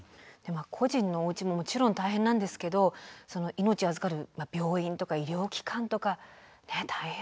個人のおうちももちろん大変なんですけど命を預かる病院とか医療機関とかね大変。